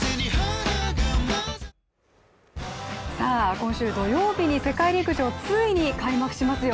今週土曜日に世界陸上、ついに開幕しますよ。